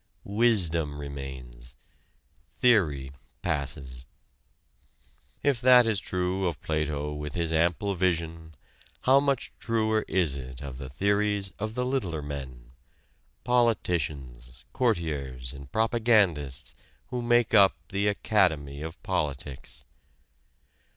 Wisdom remains; theory passes. If that is true of Plato with his ample vision how much truer is it of the theories of the littler men politicians, courtiers and propagandists who make up the academy of politics.